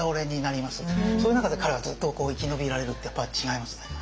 そういう中で彼はずっと生き延びられるってやっぱ違いますね。